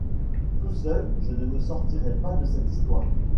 Tout seul, je ne me sortirai pas de cette histoire.